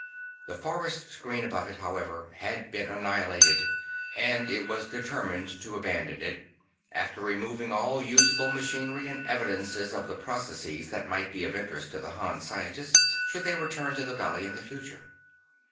The forest screen above it, however, had been annihilated, and it was determined to abandon it, after removing all usable machinery and evidences of the processes that might be of interest to the Han scientists, should they return to the valley in the future.